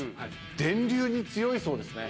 電流に強いそうですね。